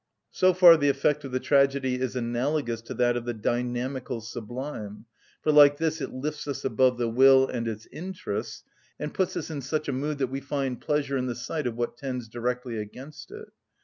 So far the effect of the tragedy is analogous to that of the dynamical sublime, for like this it lifts us above the will and its interests, and puts us in such a mood that we find pleasure in the sight of what tends directly against it.